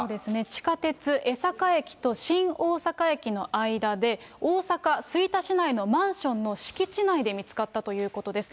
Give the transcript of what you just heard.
地下鉄江坂駅と新大阪駅の間で、大阪・吹田市内のマンションの敷地内で見つかったということです。